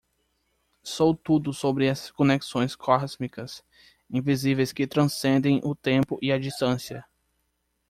Sou tudo sobre essas conexões cósmicas invisíveis que transcendem o tempo e a distância.